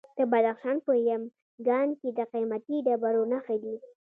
د بدخشان په یمګان کې د قیمتي ډبرو نښې دي.